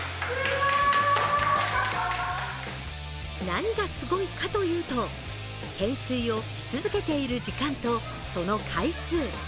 何がすごいかというと、懸垂をし続けている時間とその回数。